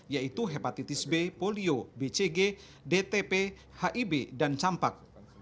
yaitu hepatitis b polio bcg dtp hib dan campak